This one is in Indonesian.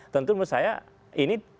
tentu menurut saya ini